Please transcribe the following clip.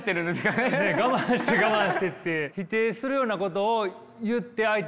ねえ我慢して我慢してって。